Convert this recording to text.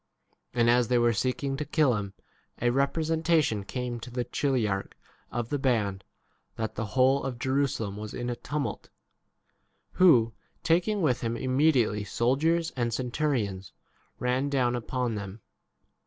And as they were seeking to kill him, a representation came to the chili arch of the band that the whole 32 of Jerusalem was in a tumult ; who, taking with him immediately soldiers and centurions, ran down upon them.